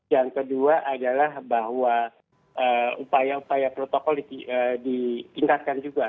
yang kedua adalah bahwa upaya upaya protokol ditingkatkan juga